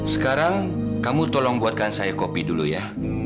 sekarang kamu tolong buatkan saya kopi dulu ya